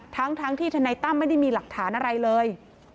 ทั้งที่ธนายตั้มไม่ได้มีหลักฐานอะไรเลย